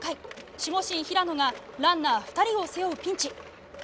守護神・平野がランナー２人を背負うピンチ。